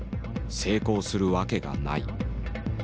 成功するわけがない」。